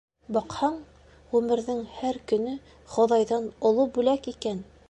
Баҡһаң, ғүмерҙең һәр көнө Хоҙайҙан оло бүләк икән!